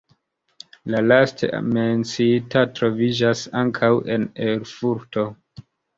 La laste menciita troviĝas ankaŭ en Erfurto.